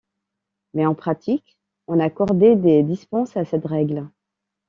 Mais en pratique, on accordait des dispenses à cette règle.